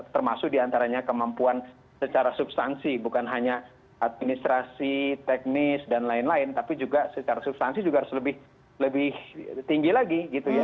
termasuk diantaranya kemampuan secara substansi bukan hanya administrasi teknis dan lain lain tapi juga secara substansi juga harus lebih tinggi lagi gitu ya